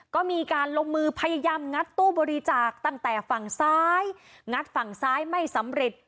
ก็มีการลงมือพยายามงัดตู้บริจาคตั้งแต่ฝั่งซ้ายงัดฝั่งซ้ายไม่สำเร็จ